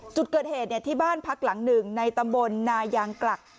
จุดเกิดเหตุที่บ้านพักหลังหนึ่งในตำบลนายางกลัก